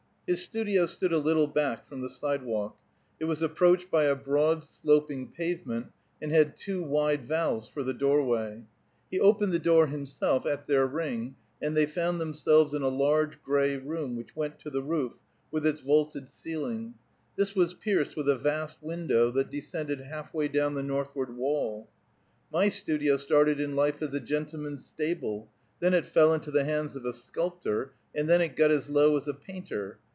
His studio stood a little back from the sidewalk; it was approached by a broad sloping pavement, and had two wide valves for the doorway. He opened the door himself, at their ring, and they found themselves in a large, gray room which went to the roof, with its vaulted ceiling; this was pierced with a vast window, that descended half way down the northward wall. "My studio started in life as a gentleman's stable; then it fell into the hands of a sculptor, and then it got as low as a painter."